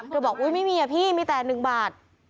บอกอุ๊ยไม่มีอะพี่มีแต่๑บาท